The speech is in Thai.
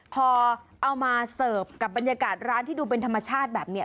พอเอามาเสิร์ฟกับบรรยากาศร้านที่ดูเป็นธรรมชาติแบบนี้